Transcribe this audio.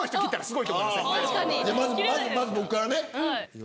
まず僕からね。